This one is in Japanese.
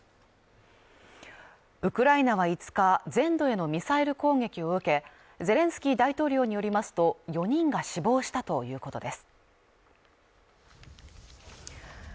ウクライナは５日全土へのミサイル攻撃を受けゼレンスキーによりますと４人が死亡したということです